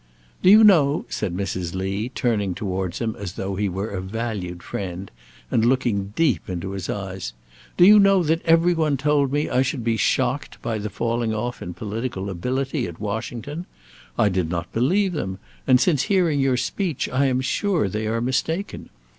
"Do you know," said Mrs. Lee, turning towards him as though he were a valued friend, and looking deep into his eyes, "Do you know that every one told me I should be shocked by the falling off in political ability at Washington? I did not believe them, and since hearing your speech I am sure they are mistaken.